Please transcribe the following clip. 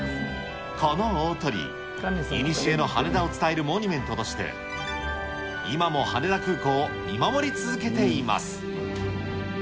この大鳥居、いにしえの羽田を伝えるモニュメントとして、今も羽田空港を見守り続けています。